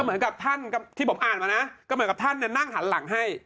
เหมือนกับท่านที่ผมอ่านมานะก็เหมือนกับท่านนั่งหันหลังให้